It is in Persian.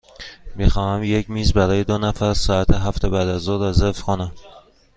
می خواهم یک میز برای دو نفر ساعت هفت بعدازظهر رزرو کنم.